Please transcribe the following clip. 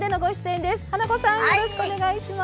花子さんよろしくお願いします。